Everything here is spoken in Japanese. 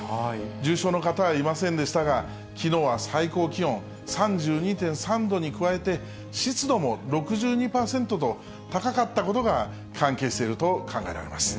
重症の方はいませんでしたが、きのうは最高気温３２．３度に加えて、湿度も６２％と高かったことが関係していると考えられます。